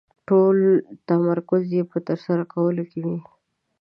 ټول تمرکز يې په ترسره کولو وي.